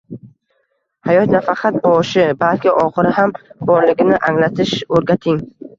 Hayot nafaqat boshi, balki oxiri ham borligini anglatish o'rgating.